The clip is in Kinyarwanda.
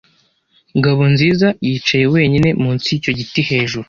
Ngabonziza yicaye wenyine munsi yicyo giti hejuru.